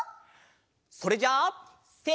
それじゃあせの。